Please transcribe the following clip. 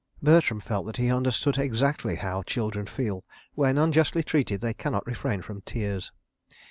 Bertram felt that he understood exactly how children feel when, unjustly treated, they cannot refrain from tears.